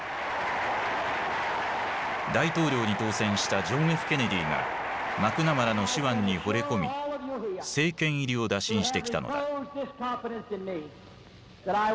大統領に当選したジョン・Ｆ・ケネディがマクナマラの手腕にほれ込み政権入りを打診してきたのだ。